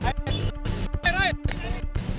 jangan jangan jangan